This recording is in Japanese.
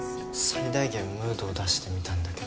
最大限ムードを出してみたんだけど。